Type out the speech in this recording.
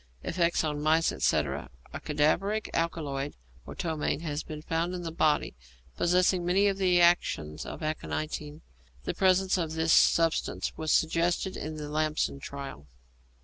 Effects on mice, etc. A cadaveric alkaloid or ptomaine has been found in the body, possessing many of the actions of aconitine. The presence of this substance was suggested in the Lamson trial.